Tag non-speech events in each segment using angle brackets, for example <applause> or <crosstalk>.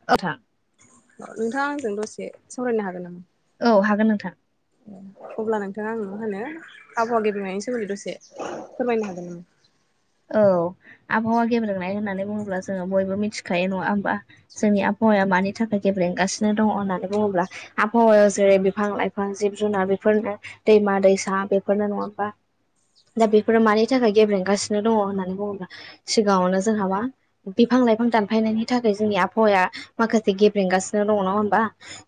<unintelligible> औ नोंथाङा आंजों दसे सावरायनो हागोन नामा औ हागोन नोंथां अब्ला नोंथाङा आं मा होनो आवहावा गेबेनायनि सोमोन्दै दसे फोरमायनो हागोन नामो औ आबहावा गेब्रेनाय होननानै बुङोब्ला जोङो बयबो मिथिखायो नङा होमबा जोंनि आबहावाया मानि थाखाय गेब्लेंगासिनो दङ होननानै बुङोब्ला आबहावायाव जेरै बिफां लाइफां जिब जुनार बेफोरनो दैमा दैसा बेफोरनो नङा होनबा दा बेफोरो मानि थाखाय गेब्लेंगासिनो दङ होननानै बुङोब्ला सिगाङावनो जोंहा मा बिफां लाइफां दानफायनायनि थाखाय जोंनि आबहावाया माखासे गेब्रेंगासिनो दङ नङा होनबा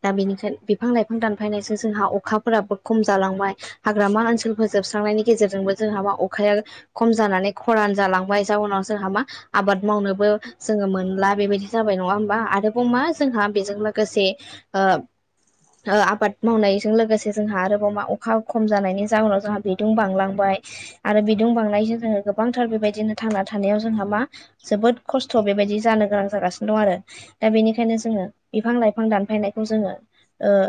दा बेनिखायनो बिफां लाइफां दानफायनायजों जोंहा अखाफोराबो खम जालांबाय हाग्रामा ओनसोलफोर जोबस्रांनायनि गेजेरजोंबो जोंहा मा अखाया खम जानानै खरान जालांबाय जाउनाव जोंहा मा आबाद मावनोबो जोङो मोनला बेबायदि जाबाय नङा होमबा आरोबाव मा जोंहा बेजों लोगोसे ओ आबाद मावनायजों लोगोसे जोंहा आरोबाव मा अखा खम जानायनि जााहनाव जोंहा बिदुं बांलांबाय आरो बिदुं बांनायजों जोङो गोबांथार बेबायदिनो थांना थानायाव जोंहा मा जोबोद खस्थ' बेबायदि जानो गोनां जागासिनो दं आरो दा बेनिखायनो जोङो बिफां लाइफां दानफायनायखौ जोङो ओ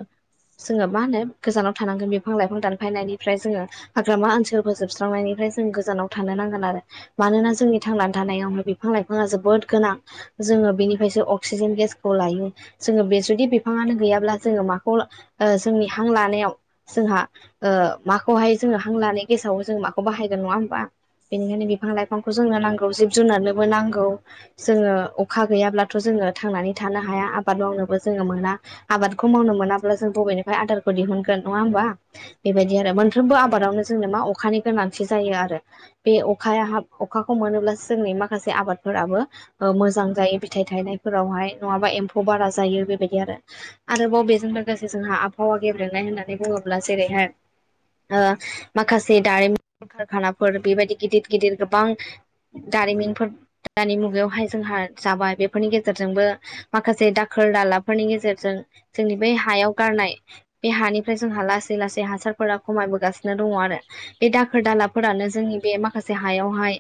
जोङो मा होनो गोजानाव थानांगोन बिफां लाइफां दानफायनायनिफ्राय जोङो हाग्रामा ओनसोलफोर जोबस्रांनायनिफ्राय जों गोजानाव थानो नांगोन आरो मानोना जोंनि थांनानै थानायावहाय बिफां लाइफाङा जोबोद गोनां जोङो बिनिफ्रायसो अक्सिजेन गेसखौ लायो जोङो बे जुदि बिफाङानो गैयाब्ला जोङो माखौ जोंनि हां लानायाव जोंहा ओ माखौहाय जोङो हां लानाय गेसाव जोङो माखौ बाहायगोन नङा होमबा बेनिखायनो बिफां लाइफांखौ जोंनो नांगौ जिब जुनारनोबो नांगौ जोङो अखा गैयाब्लाथ' जोङो थांनानै थानो हाया आबाद मावनोबो जोङो मोना आबादखौ मावनो मोनाब्ला जों बबेनिफ्राय आदारखौ दिहुनगोन नङा होमबा बेबायदि आरो मोनफ्रोमबो आबादावनो जोंनो मा अखानि गोनांथि जायो आरो बे अखाया अखाखौ मोनोब्लासो जोंनि माखासे आबादफोराबो मोजां जायो फिथायाइ थायनायफोरावहाय नङाबा एम्फौ बारा जायो बेबायदि आरो आरोबाव बेजों लोगोसे जोंहा आबहावा गेब्लेनाय होननानै बुङोब्ला जेरैहाय माखासे दारिमिन कारखानाफोर बेबायदि गिदिर गिदिर गोबां दारिमिनफोर दानि मुगायावहाय जोंहा जाबाय बेफोरनि गेजेरजोंबो माखासे दाखोर दालाब फोरनि गेजेरजों जोंनि बै हायाव गारनाय बे हानिफ्राय जोंहा लासै लासै हासार फोरा खमायबोगासिनो दङ आरो बे दाखोर दालाफोरानो जोंनि बे माखासे हायावहाय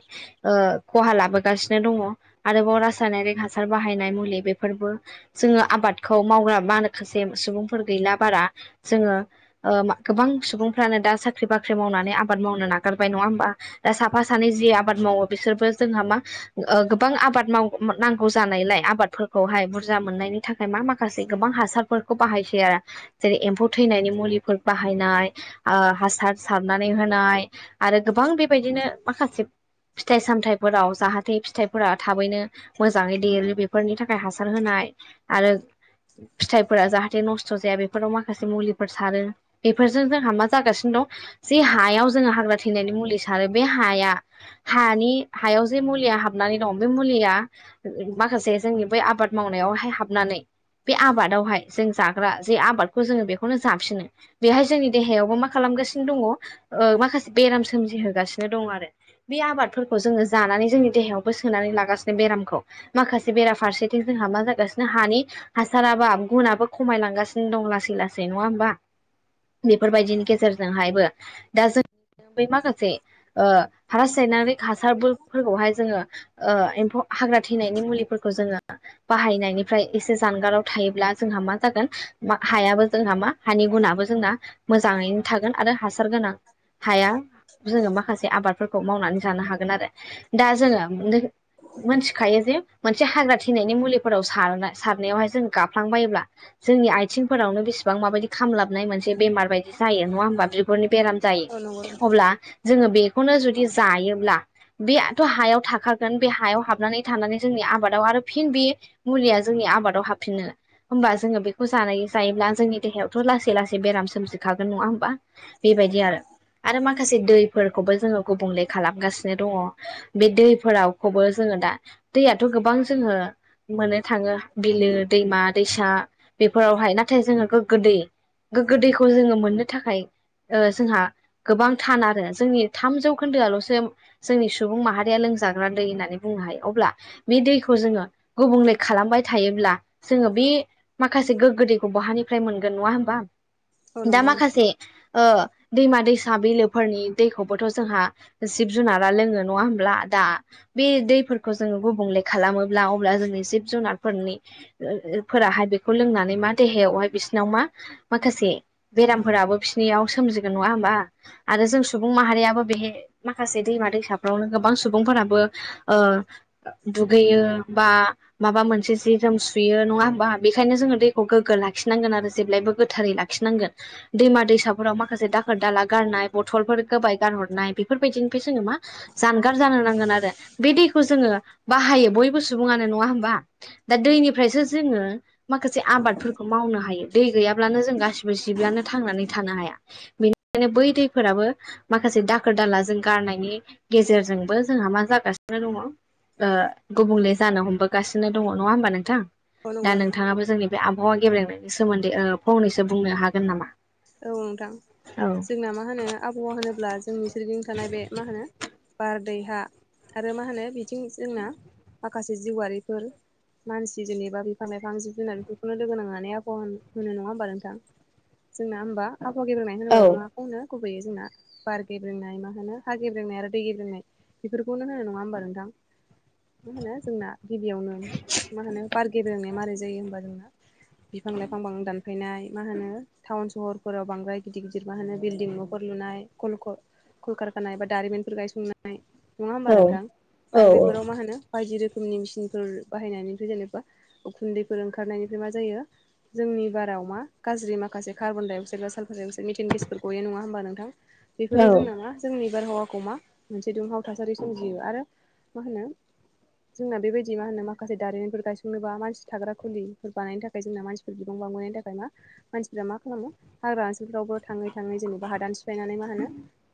खहा लाबोगासिनो दङ आरोबाव रासायनारिक हासार बाहायनाय मुलि बेफोरबो जोङो आबादखौ मावग्रा मााखासे सुबुंफोर गैला बारा जोङो गोबां सुबुंफ्रानो दा साख्रि बाख्रि मावनानै आबाद मावनो नागारबाय नङा होमबा दा साफा सानै जि आबाद मावो बिसोरबो जोंहा मा गोबां आबाद माव नांगौ जानायलाय आबादफोर खौहाय बुरजा मोननायनि थाखाय मा माखासे गोबां हासारफोरखौ बाहायसै जेरै एम्फौ थैनायनि मुलिफोर बाहायनाय हासार सारनानै होनाय आरो गोबां बे बायदिनो माखासे फिथाइ सामथाइफोराव जाहाथे फिथाइ फोर थाबैनो मोजाङै देरो बेफोरनि थाखाय हासार होनाय आरो फिथाइफोरा जाहाथे नस्थ' जाया बे राव माखासे मुलिफोर सारो बेफोरजों जोंहा मा जागासिनो दं ज हायाव जोङो हाग्रा थिनायनि मुलि सारो बे हाया हानि हायाव जे मुलिया हाबनानै दं बे मुलिया माखासे जोंनि बै आबाद मावनायावहाय हाबनानै बे आबादावहाय जों जाग्रा जे आबादखौ जोङो बेखौनो जाफिनो बेहाय जोंनि देहायावबो मा खालामगासिनो दङ माखासे बेराम सोमजिहोगासिनो दङ आरो बे आबादफोरखौ जोङो जानानै जोंनि देहायावबो सोनानै लागासिनो बेरामखौ माखासे बेराफारसेथिं जोंहा मा जागासिनो हानि हासाराबा गुनाबो खमायलांगासिनो दं लासै लासै नङा होमबा बेफोरबायदिनि गेजेरजोंहायबो दा जों बै माखासे रासायनारि हासारफोरखौहाय जोङो एम्फौ हाग्रा थैनायनि मुलिफोरखौ जोङो बाहायनायनिफ्राय एसे जानगाराव थायोब्ला जोंहा मा जागोन हायाबो जोंहा मा हानि गुनाबो जोंना मोजाङैनो थागोन आरो हासार गोनां हाया जोङो माखासे आबादफोरखौ मावनानै जानो हागोन आरो दा जोङो मोनथिखायो जे मोनसे हाग्रा थैनायनि मुलिफोराव सार सारनायावहाय जों गाफ्लांबायोब्ला जोंनि आथिंफोरावनो बेसेबां माबायदि खामलाबनाय मोनसे बेमार बायदि जायो नङा हबा बिगुरनि बेराम औ नंगौ जायो नोंथां अब्ला जोङो बेखौनो जुदि जायोब्ला बेथ' हायाव थाखागोन बे हायाव हाबनानै थानानै जोंनि आबादाव आरो फिन बे मुलिया जोंनि आबादाव हाबफिनो होमबा जोङो बेखौ जानाय जायोब्ला जोंनि देहायावथ' लासै लासै बेराम सोमजिखागोन नङा होमबा बेबायदि आरो आरो माखासे दैफोरखौबो जोङो गुबुंले खालामगासिनो दङ बे दैफोरावखौबो जोङो दा दैयाथ' गोबां जोङो मोननो थाङो बिलो दैमा दैसा बेफोरावहाय नाथाय जोङो गोग्गो दै गोगो दैखौ जोङो मोननो थाखाय जोंहा गोबां थान आरो जोंनि थामजौ खोन्दोआल'सो जोंनि सुबुं माहारिया लोंजाग्रा दै होननानै बुंनो हायो अब्ला बे दैखौ जोङो गुबुंले खालामबाय थायोब्ला जोङो बे माखासे गोग्गोद दैखौ बहानिफ्राय मोनगोन नङा होमबा औ दा नंगौ नोंथां माखासे दैमा दैसा बिलोफोरनि दैखौबोथ' जोंहा जिब जुनारा लोङो नङा होमब्ला दा बे दैफोरखौ जोङो गुबुंले खालामोब्ला अब्ला जोंनि जिब जुनारफोरनि फोराहाय बेखौ लोंनानै मा देहायावहाय बिसिनाव मा माखासे बेरामफोराबो बिसिोरनियाव सोमजिगोन नङा होमबा आरो जों सुबुं माहारियाबो बेह माखासे दैमा दैसाफ्रावनो गोबां सुबुंफोराबो दुगैयो बा माबा मोनसे जि जोम सुयो नङा होमबा बेनिखायनो जोङो दैखौ गोग्गो लाखिनांगोन आरो जेब्लायबो गोथारै लाखि लाखिनांगोन दैमा दैसाफोराव माखासे दाखोर दाला गारनाय बथलफोर होबबाय गारहरनाय बेफोरबायदिनिफ्राय जोङो मा जानगार जानो नांगोन आरो बे दैखौ जोङो बाहायो बयबो सुबुङानो नङा होमबा दा दैनिफ्रायसो जोङो माखासे आबादफोरखौ मावनो हायो दै गैयाब्लानो जों गासिबो जिब्लानो थांनानै थानो हाया बेनिखायनो बै दैफोराबो माखासे दाखोर दाला जों गारनायनि गेजेरजोंबो जोंहा मा जागासिनो दङ गुबुंले जानो हमबोगासिनो दङ नङा होमबा नोंथां औ नंगौ दा नोंथां नोंथाङाबो जोंनि बे आबहावा गेबलेनायनि सोमोन्दै फंनैसो बुंनो हागोन नामा औ नोंथां औ जोंना मा होनो आबहावा होनोब्ला जोंनि सोरगिं थानाय बे मा होनो बारदैहा आरो मा होनो बिथिं जोंना माखासे जिउआारिफोर मानसि जेनेबा बिफां लाइफां जिब जुनार बेफोरखौनो लोगो नांनानै आबहावा होनो नङा होमबा नोंथां जोंना ह होनबा आफहा गबेनाय होनोबाल ना नो गुबैयो जोंना बार गेब्रेंनाय मा होनो हा गेब्रेंनाय आरो दै गेब्रेनाय बेफोरखौनो होनो नङा होमबा नोंथां मा होनो जोंना गिबियावनो मा होनो बारगे बेोंनाय माबोरै जायो होमबा जोंना बिफां लाइफांफां दानफायनाय मा होनो टाउन सहरफोराव बांराय गिदिर गिदिर मा होनो बिल्डिं न'खर लुनायल कलकारखानाय बा दारिमिनफोर गायसंनाय नङा होमबा औ नोंथां औ आरो बेफोराव मा होनो बायदि रोखोमनि मेसििनफोर बाहायनायनिफ्राय जेनेबा उखुन्दैफोर ओंखारनायनिफ्राय मा जायो जोंनि बाराव मा गाज्रि मा माखासेार्बनडाइअक्साइड बाालारडाइक्सड मिटेन गेस ग नङा ह होनब नोंथां औ बेफोर जों नङा जोंनि बारहावाखौ मा मोनसे दुंहाव थासारि सोमजियो आरो मा होनो जोंना बेबायदि मा होनो माखासे दारिमनफोर गायसंनोबा मानसि थाग्रा खुलिफोर बानायनि थाखाय जोंना मानसि बिबांबां गनि थाखाय मा मानसिफ्रा मा खालामो हाग्रा ओनसोलफ्रावबो थाङै थाङै जेनेबा हादान सिफायनानै मा होनो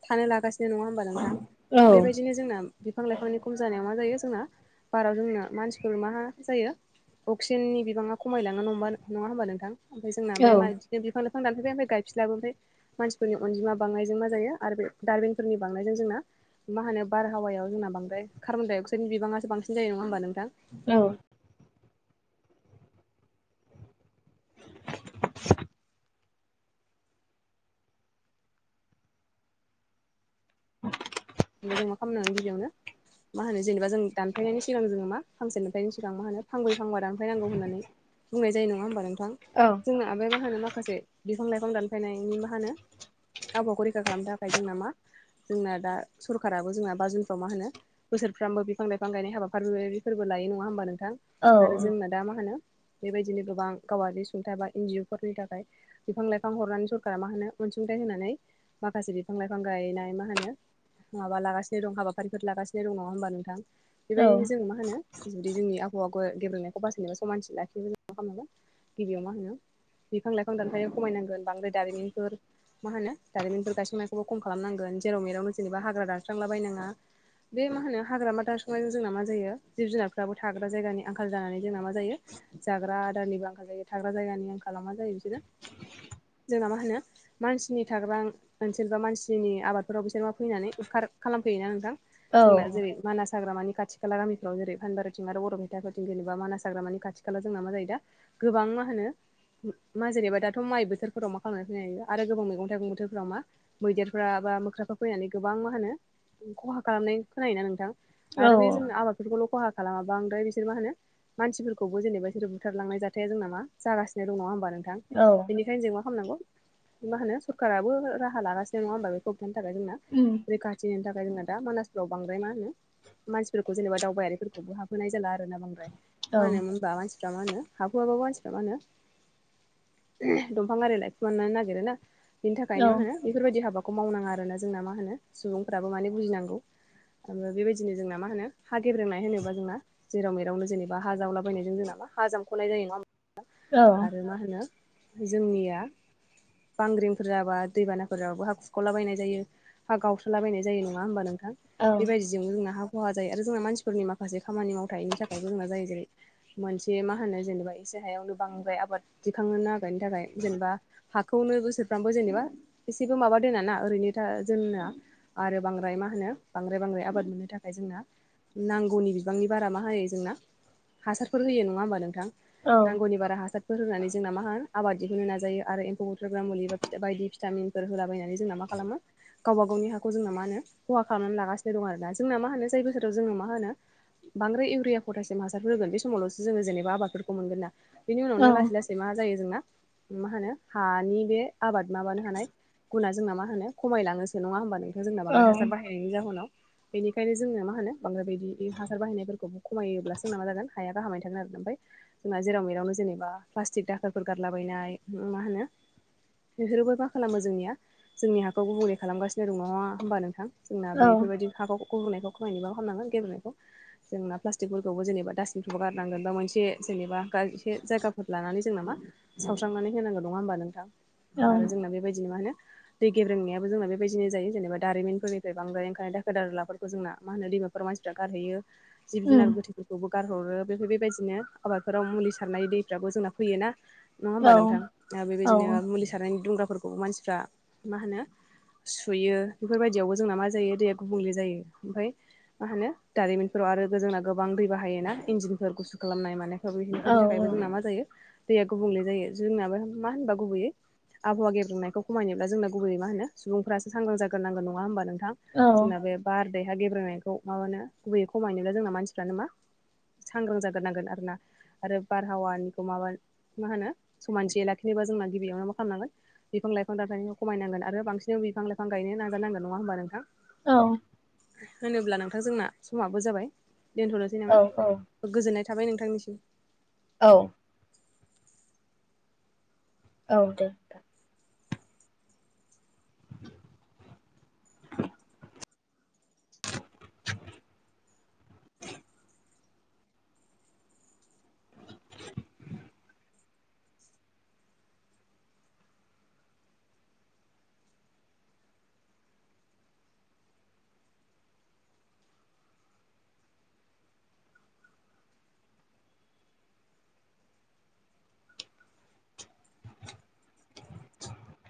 थानो लागासिनो नङा होमबा नोंथां औ बेबायदिनो जोंना बिफां लाइफांनि खम जानायाव मा जायो जोंना बाराव जोंनो मानसिफोर मा जायो अक्सिजेननि बिबाङा खमायलाङोा नङा होमबा नोंथां ओमफ्राय जोंना औ बे म बि बिफां लाां दानै मफ्राय गायफिलाबोोनमथाय मानसिफोरनि अनजिमा बांनायजों मा जायो आरो बे दार्बिनफोरनि बांनायजों जोंना मा होनो बारहावायाव जोंना बांदाय कार्बन डाइ अक्साइडनि बिबाङासो बांसि ज नङा होमबा नोंथां औ <inaudible> <inaudible> हबा जों मा खालामनांगोन गिबियावनो मा होनो जेनेबा जों दानफानायनि सिगां जोङो मा फांसेनिफ्रायनो सिगां मा होनो फांब्रै फांबा दानफायनांगौ होननानै बुंनाय जायो नङा होमबा नोंथां? औ जोंना आबै मा होनो माखासे बिफां-लाइफां दानफायनायनि माहोनो आबहावाखौ रैखा खालामनो थाखाय जोंना मा जोंना दा सरखाराबो जोंना बा जुनफ्राव मा होनो बोसोरफ्रामबो बिफां लाइफां गायनाय हाबाफारि बेफोरबादि‌ फोरबो लायो नङा होमबा नोंथां? आरो जोंना दा माहोनो बेबायदिनो गोबां गावारि सुंथाइ बा एन जि अ फोरनि थाखाय बिफां लाइफां हरनानै सरखारा मा होनो अनसुंथाइ होनानै माखासे बिफां-लाइफां गायनाय मा होनो माबा लागासिनो दं हाबाफारिफोर लागासिनो दं नङा होमबा नोंथां? औ बेबायदिनो जोङो मा होनो जुदि जोंनि आबहावाखौ गेब्रेंनायखौ बासायनोबा समानथि लाखिनोबा जों मा खालाम नांगौ गिबियाव मा होनो बिफां- लाइफां दानफायनाय खमायनांगोन बांद्राय दारिमिनफोर मा होनो दारिमिनफोर गायसंनायखौबो खम खालामनांगोन जेराव मेरावनो जेनेबा हाग्रा दानस्रांला बायनाङा बे मा होनो हाग्रामा दानस्रांनायजों जोंना मा जायो जिब जुनारफ्राबो थाग्रा जायगानि आंखाल जानानै जोंना मा जायो। जाग्रा आदारनिबो आंखाल जायो थाग्रा जायगानि आंखालाव मा जायो बिसोरो जोंना मा होनो मानसिनि थाग्रा ओनसोल बा मानसिनि आबादफोराव बिसोर मा फैनानै उदखार खालामफैयोना नोंथां? औ जोंना जेरै मानास हाग्रामानि खाथि खाला गामिफ्राव जेरै फानबारथिं आरो बर'पेटाफोरथिं जेनेबा मानास हाग्रानि खाथि खाला जोंना मा जायो दा गोबां मा होनो मा जेनेबा दाथ' माइ बोथोरफोराव मा खालामनानै फैनो हायो आरो गोबां मैगं थाइगं बोथोरफोराव मा मैदेरफ्रा बा मोख्राफ्रा फैनानै गोबां मा होनो खहा खालामनाय खोनायोना नोंथां? आरो बे जोंनि आबाद बेफोरखौल' खहा खालामा बांद्राय बिसोर मा होनो मानसिफोरखौबो जेनेबा बिसोरो बुथारलांनाय जाथाय जों नामा जागसिनो दं नङा होनोमबा नोंथां? औ बेनिखायनो जों मा खालामनांगौ मा होनो सरकाराबो राहा लागासिनो नङा होमबा बेखौबथनि थाखाय जोंना उम। रैखाथिनि थाखाय जोङो दा मानासफ्राव बांद्राय मा होनो मानसिफोरखौ जेनेबा दावबायारिफोरखौबो हाबहोनाय जाला आरोना बांद्राय औ मा होनो होनबा मानसि फ्रा मा होनो हाबहोआबाबो मानसिफ्रा मा होनो ओ दंफां आरि लायखुमानो नागिरोना? बिनि औ थाखायनो बेफोरबायदि हाबाखौ मावनाङा आरोना जोंना मा होनो सुबुंफ्राबो माने बुजिनांगौ। ओफ्राय बेबायदिनो जोंना मा होनो हा गेब्रंनाय होनोबा जोंना जेराव मेरावनो जेनेबा हा जावलाबायनाय जों नामा हा जामख'नाय जायो नङा औ आरो मा होनो जोंनिया बांग्रिंफोर जाबा दैबानाफोर जाबाबो हा खुरखावलाबायनाय जायो। हा गावस्राला बायनाय जायो नङा होमबा नोंथां औ बेबायदि जोंनो जोंना हा खहा जायो आरो जोंना मानसिफोरनि माखासे खामानि मावथायनि थाखायबो जोंना जायो। जेरै मोनसे मा होनो जेनेबा एसे हायावनो बांद्राय आबाद दिखांनो नागिरनायनि थाखाय जेनेबा हाखौनो बोसोरफ्रामबो जेनेबा एसेबो माबा दोना ना ओरैनो दा जोंना आरो बांद्राय मा होनो बांद्राय बांद्राय आबाद मोननो थाखाय जोंना नांगौनि बिबांनि बारा मा होयो जोंना हासारफोर होयो नङा होमबा नोंथां? औ नांगौनि बारा हासार फोर होनानै जोंना मा आबाद दिहुननो नाजायो आरो एम्फौ बुथोरग्रा मुलि बा भि बायदि भिटामिनफोर होलाबायनानै जोंना मा खालामो गावबा गावनि हाखौ जोंना मा होनो खहा खालामनानै लागासिनो दं आरोना? जोंना मा होनो जाय बोसोराव जोंङो मा होनो बांद्राय इउरिया, पटासिम हासारफोर होगोन बे समावल'सो जोङो जेनेबा आबादफोरखौ मोनगोन ना बेनि औ उनावनो लासै लासै मा जायो जोंना मा होनो हानि बे आबाद माबानो हानाय गुना जोंना मा होनो खमायलाङोसो नङा होमबा नोंथां? जोंना बांद्राय हासार बाहायनायनि जाहोनाव। बेनिखायनो जोंनो मा होनो बांद्राय बायदि इ हासार बाहायनायफोरखौबो खमायोब्लासो जोंना मा जागोन हाया गाहामै थागोन आरो ओमफाय जोंना जेराव मेरावनो जेनेबा प्लास्टिक दाखोरफोर गारलाबायनाय मा होनो बेफोरबो मा खालामो जोंनिया जोंनि हा खौ गुबुंले खालामगासिनो दङ नङा होमबा नोंथां? जोंना बेफोरबायदि हाखौ गुब्रुंनायखौ खमायनोबा मा खालाम नांगोन गेब्रेंनायखौ जोंना प्लास्टिकफोरखौबो जेनेबा डास्बिनावबो गारनांगोन बा मोनसे जेनेबा एसे जायगाफोर लानानै जोंना मा सावस्रांनानै होनांगौ नङा होमबा नोंथां आरो जोंना बेबायदिनो मा होनो गब्रेंनायाबो जोंना बेबायदिनो जायो जेनेबाारिमिननिफ्रायांद्राय ओंखारनाय दाखो दारलाफोरखौ जोंना मा होनो दैमा मानसिफ्रा गारहैयो जिब जुनार गोथै बेखौबो गारहरो बेमफ्राय बेबायदिनो आबादफोराव मुलि सारनाय दैफ्राबो जोंना फैयोना नङा होमबा नोंथां बेबायदिनो मुलि सारनायनि दुंग्राफोरखौ मानसिफ्रा मा होनो सुयो बेफोरबायदियावबो जोंना मा जायो दैया गुबुंले जायो ओमफाय मा होनो दारिमिनफोराव आरो गो जोंना गोबां दै बाहायोना इन्जनफोर गुसु खालामनाय माने मफोरनि थाखायबो जोंना मा जायो। दैया गुबुंले जायो जोंनाबो मा होनबा गुबैयै आबहावा गेब्रुंनायखौ खमायनोब्ला जोंना गुबैयै मा होनो सुबुंफ्रासो सांग्रां जाग्रोनांगोन नङा होनोमबा नोंथां जोंना बे बाारदैहा गेब्रेनायखौ माबानो गुबैयै खमायनोल जोंना मानसिफ्रानो मा सांग्रां जाग्रोनांगोन आरोना। आरो बारहावानिखौ माबा मा होनो समान ज लाखिनोबा जोंना गिबियावनो मा खालामनांगोन बिफां लाइफां दथायनायखौ खमायनांगोन आरो बांसिन बिफां लाफां गायनो नाजारानांगोन नङा होमबा नोंथां? औ। होनोब्ला नोंथां जोंना समाबो जाबाय दोनथ'नोसै नामा? गोजोन्नाय थाबाय नोंथांनिसिम। औ। औ दे। <inaudible>